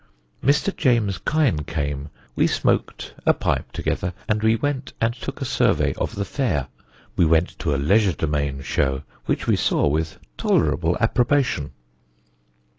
"Mr. James Kine came; we smoaked a pipe together and we went and took a survey of the fair; we went to a legerdemain show, which we saw with tolerable approbation.